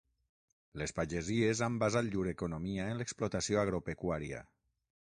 Les pagesies han basat llur economia en l'explotació agropecuària.